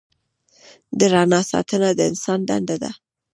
د رڼا ساتنه د انسان دنده ده.